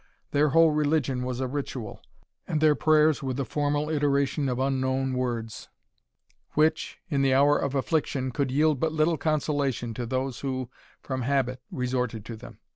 Their whole religion was a ritual, and their prayers were the formal iteration of unknown words, which, in the hour of affliction, could yield but little consolation to those who from habit resorted to them.